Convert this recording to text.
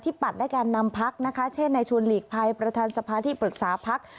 ที่ปัดและการนำพักนะคะเช่นนายชูนลีกภายประทานสภาที่ปรึกษาพัก